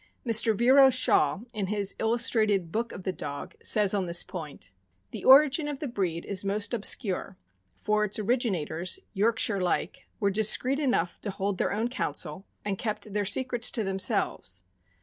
Mr. Vero Shaw, in his "Illustrated Book of the Dog," says on this point: The origin of the breed is most obscure, for its originators— Yorkshire like — were discreet enough to hold their own pounsel, and kept their secrets to themselves.